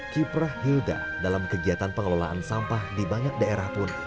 kiprah hilda dalam kegiatan pengelolaan sampah di banyak daerah pun